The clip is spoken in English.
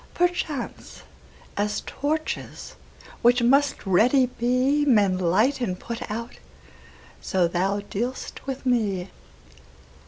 Perchance, as torches, which must ready be, Men light and put out, so thou dealst with me.